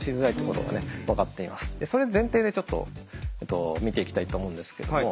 それ前提でちょっと見ていきたいと思うんですけども。